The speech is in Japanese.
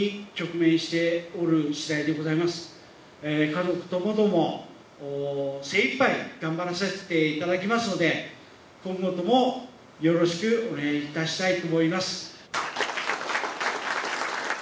家族ともども精いっぱい頑張らせていただきますので今後ともよろしくお願いいたしたいと思います。